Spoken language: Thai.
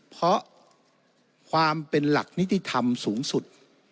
เพราะความเป็นหลักนิติธรรมสูงสุด